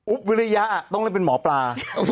วิริยะต้องเล่นเป็นหมอปลา